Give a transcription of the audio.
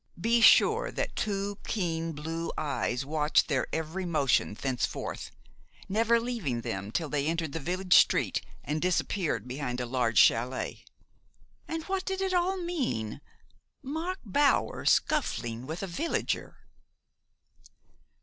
Be sure that two keen blue eyes watched their every motion thenceforth, never leaving them till they entered the village street and disappeared behind a large chalet. "And what did it all mean? Mark Bower scuffling with a villager!"